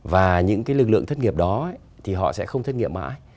và những lực lượng thất nghiệp đó thì họ sẽ không thất nghiệp mãi